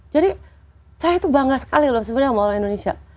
jadi saya itu bangga sekali loh sebenarnya sama orang indonesia